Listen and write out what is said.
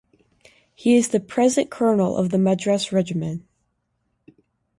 He is the present Colonel of the Madras Regiment.